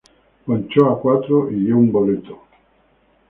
Ponchó a cuatro y dio un boleto.